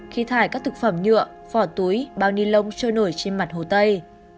khi thải các thực phẩm nhựa vỏ túi bao ni lông trôi nổi trên mặt hồ tây